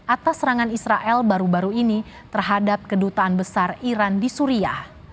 atas serangan israel baru baru ini terhadap kedutaan besar iran di suriah